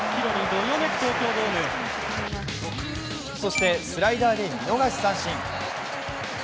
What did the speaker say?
そして、スライダーで見逃し三振。